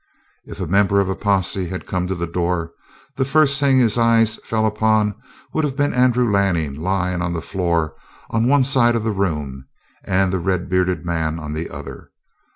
If a member of a posse had come to the door, the first thing his eyes fell upon would have been Andrew Lanning lying on the floor on one side of the room and the red bearded man on the other.